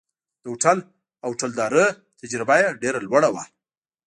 د هوټل او هوټلدارۍ تجربه یې ډېره لوړه وه.